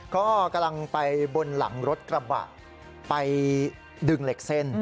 ก็กำลังไปบนหลังรถกระบะไปดึงเหล็กเส้น